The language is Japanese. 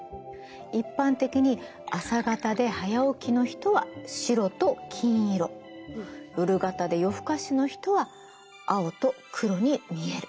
一般的に朝型で早起きの人は白と金色夜型で夜更かしの人は青と黒に見える。